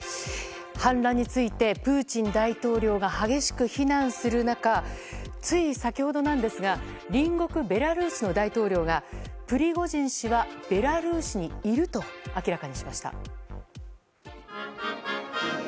反乱についてプーチン大統領が激しく非難する中つい先ほどなんですが隣国ベラルーシの大統領がプリゴジン氏はベラルーシにいると明らかにしました。